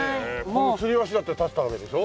つり橋だって建てたわけでしょ？